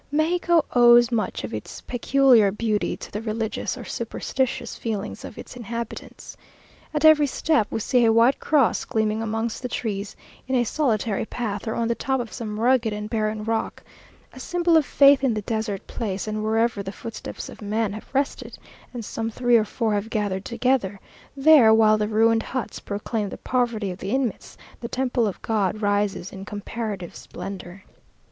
Mexico owes much of its peculiar beauty to the religious or superstitious feelings of its inhabitants. At every step we see a white cross gleaming amongst the trees, in a solitary path, or on the top of some rugged and barren rock a symbol of faith in the desert place; and wherever the footsteps of man have rested, and some three or four have gathered together, there, while the ruined huts proclaim the poverty of the inmates, the temple of God rises in comparative splendour.